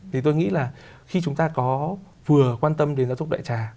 thì tôi nghĩ là khi chúng ta có vừa quan tâm đến giáo dục đại trà